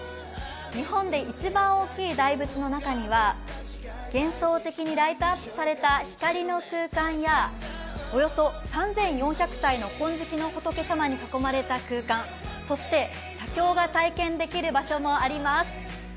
日本で一番大きい大仏の中には幻想的にライトアップされた光の空間やおよそ３４００体の金色の仏様に囲まれた空間、そして写経が体験できる場所もあります。